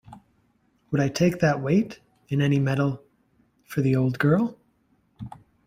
Would I take that weight — in any metal — for the old girl?